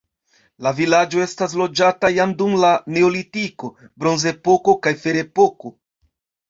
La vilaĝo estis loĝata jam dum la neolitiko, bronzepoko kaj ferepoko.